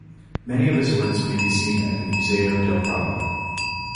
Many of his works may be seen at the Museo del Prado.